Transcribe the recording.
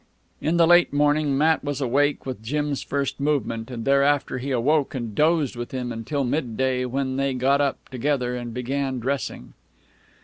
In the late morning Matt was awake with Jim's first movement, and thereafter he awoke and dozed with him until midday, when they got up together and began dressing.